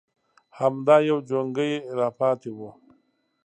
_همدا يو جونګۍ راپاتې و.